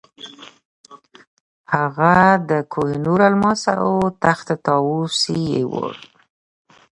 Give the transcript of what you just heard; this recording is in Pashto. هغه د کوه نور الماس او تخت طاووس یووړ.